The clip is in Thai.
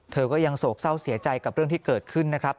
เธอก็ยังโศกเศร้าเสียใจกับเรื่องที่เกิดขึ้นนะครับ